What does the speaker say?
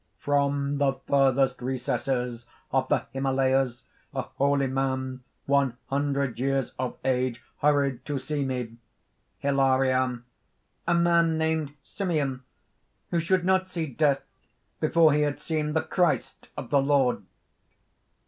"From the furthest recesses of the Himalayas, a holy man one hundred years of age, hurried to see me." HILARION. "A man named Simeon ... who should not see death, before he had seen the Christ of the Lord."